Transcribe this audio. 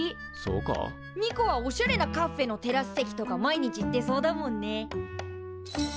ニコはおしゃれなカッフェのテラス席とか毎日行ってそうだもんね。